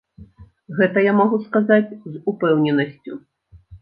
Гэта я магу сказаць з упэўненасцю.